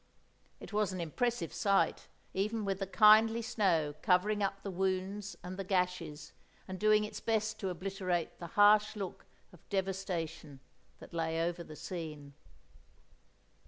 It was an impressive sight—even with the kindly snow covering up the wounds and the gashes, and doing its best to obliterate the harsh look of devastation that lay over the scene.